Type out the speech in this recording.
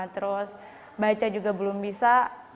terus baca juga belum bisa